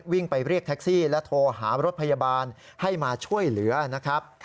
วิ่งไปเรียกแท็กซี่และโทรหารถพยาบาลให้มาช่วยเหลือนะครับ